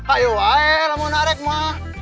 ayo lah mau naik mah